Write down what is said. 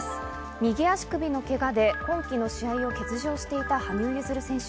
右足首のけがで今季の試合を欠場していた羽生結弦選手。